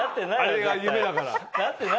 あれが夢だから。